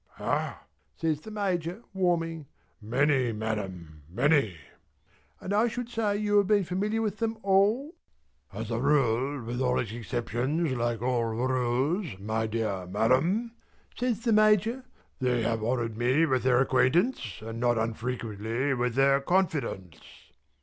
"Hah!" says the Major warming. "Many Madam, many." "And I should say you have been familiar with them all?" "As a rule (with its exceptions like all rules) my dear Madam" says the Major, "they have honoured me with their acquaintance, and not unfrequently with their confidence."